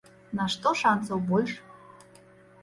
На што шанцаў больш?